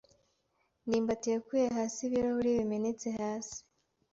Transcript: ndimbati yakuye hasi ibirahure bimenetse hasi.